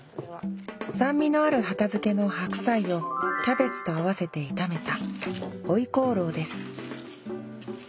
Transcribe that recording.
酸味のある畑漬の白菜をキャベツと合わせて炒めた回鍋肉です